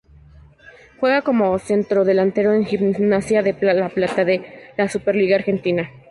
Juega como centrodelantero en Gimnasia de La Plata de la Superliga Argentina.